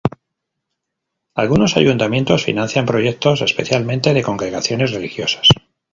Algunos Ayuntamientos financian proyectos especialmente de Congregaciones religiosas.